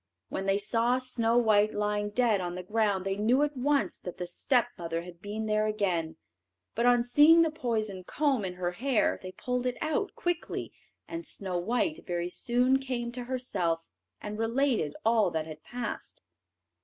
When they saw Snow white lying dead on the ground, they knew at once that the stepmother had been there again; but on seeing the poisoned comb in her hair they pulled it out quickly, and Snow white very soon came to herself, and related all that had passed.